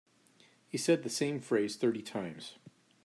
He said the same phrase thirty times.